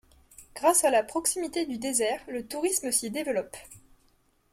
Grâce à la proximité du désert, le tourisme s'y développe.